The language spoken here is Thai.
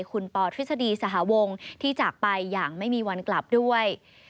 คุณปธฤษฎีสหวงที่จากไปอย่างไม่มีวันกลับด้วย